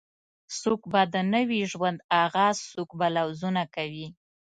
څوک به د نوې ژوند آغاز څوک به لوظونه کوي